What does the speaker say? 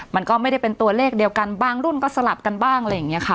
มันก็ไม่ได้เป็นตัวเลขเดียวกันบางรุ่นก็สลับกันบ้างอะไรอย่างนี้ค่ะ